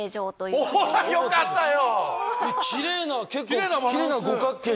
よかったよ！